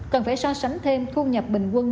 cần phải so sánh thêm thu nhập bình quân